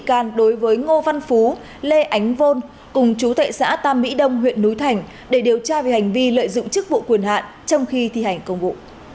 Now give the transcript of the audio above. đội quyền trung tế đáp đối với ngô văn phú lê ánh vôn cùng chú tệ xã tam mỹ đông huyện núi thành để điều tra về hành vi lợi dụng chức vụ quyền hạn trong khi thi hành công vụ